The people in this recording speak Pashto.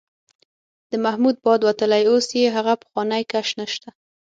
د محمود باد وتلی، اوس یې هغه پخوانی کش نشته.